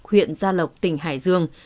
huyện gia lộc tỉnh hải dương